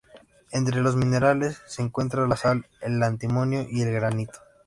Entre los minerales se encuentran la sal, el antimonio, y el granito.